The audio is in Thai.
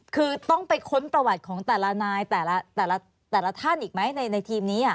คือต้องไปค้นประวัติของแต่ละนายแต่ละท่านอีกไหมในทีมนี้